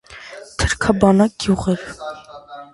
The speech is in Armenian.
Թրքաբնակ գյուղ էր։